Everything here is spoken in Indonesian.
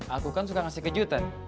aku kan suka ngasih kejutan